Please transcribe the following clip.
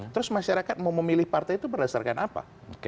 terus masyarakat mau memilih partai itu berdasarkan apa